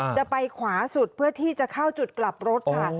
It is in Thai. จะไปขวาสุดเพื่อที่จะเข้าจุดกลับรถค่ะ